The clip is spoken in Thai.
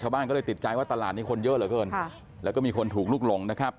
บ้านก็เลยติดใจว่าตลาดนี้คนเยอะเหลือเกินค่ะแล้วก็มีคนถูกลุกหลงนะครับ